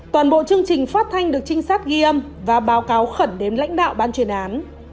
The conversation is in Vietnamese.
toàn bộ chương trình phát thanh được trinh sát ghi âm và báo cáo khẩn đến lãnh đạo ban chuyên án